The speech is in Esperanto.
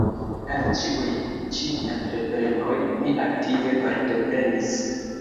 En ĉiuj ĉi entreprenoj mi aktive partoprenis.